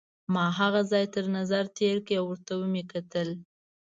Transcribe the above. ما هغه ځای تر نظر تېر کړ او ورته مې وکتل.